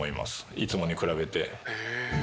いつもに比べて。